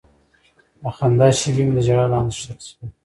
د خندا شېبې مې د ژړا لاندې ښخې شوې.